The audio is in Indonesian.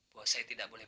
bahwa saya tidak boleh